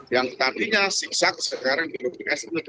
yang tadinya sigsac sekarang di lodges itu dibuka